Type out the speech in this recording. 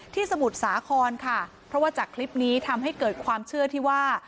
สมุทรสาครค่ะเพราะว่าจากคลิปนี้ทำให้เกิดความเชื่อที่ว่า